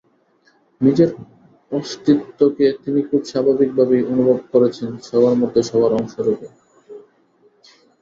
নিজের অস্তিত্বকে তিনি খুব স্বাভাবিকভাবেই অনুভব করেছেন সবার মধ্যে সবার অংশ রূপে।